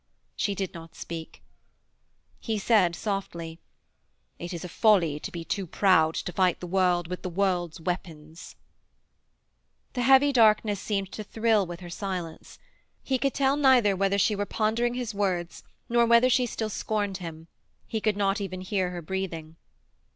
She did not speak. He said softly: 'It is a folly to be too proud to fight the world with the world's weapons.' The heavy darkness seemed to thrill with her silence. He could tell neither whether she were pondering his words nor whether she still scorned him. He could not even hear her breathing.